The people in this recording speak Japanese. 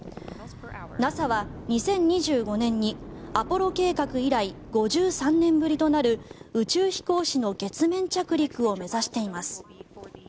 ＮＡＳＡは２０２５年にアポロ計画以来５３年ぶりとなる宇宙飛行士の月面着陸を目指しています。